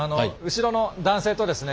後ろの男性とですね